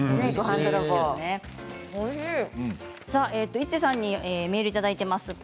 市瀬さんにメールをいただいています。